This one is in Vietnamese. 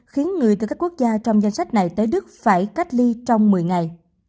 khiến người từ các quốc gia trong danh sách này tới đức phải cách ly trong một mươi ngày